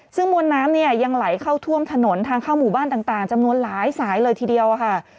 ซึ่งมวลน้ำเนี่ยยังไหลเข้าท่วมถนนทางเข้าหมู่บ้านต่างจำนวนหลายสายเลยทีเดียวค่ะ